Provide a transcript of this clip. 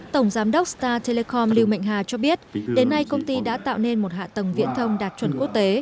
tổng giám đốc star telecom lưu mệnh hà cho biết đến nay công ty đã tạo nên một hạ tầng viễn thông đạt chuẩn quốc tế